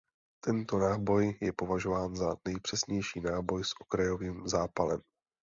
Tento náboj je považován za nejpřesnější náboj s okrajovým zápalem.